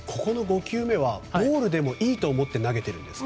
５球目はボールでもいいと思って投げてるんですか？